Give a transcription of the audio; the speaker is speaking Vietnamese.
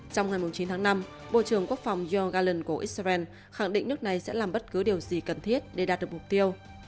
trong ngày chín tháng năm bộ trưởng quốc phòng yogalen của israel khẳng định nước này sẽ làm bất cứ điều gì cần thiết để đạt được mục tiêu